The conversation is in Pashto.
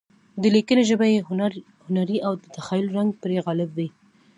د لیکنې ژبه یې هنري او د تخیل رنګ پرې غالب وي.